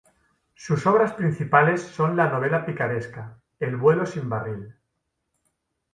Sus obras principales son la novela picaresca "El vuelo sin barril".